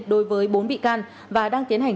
đối với bốn bị can và đang tiến hành